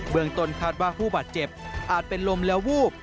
เมืองต้นคาดว่าผู้บาดเจ็บอาจเป็นลมและวูบ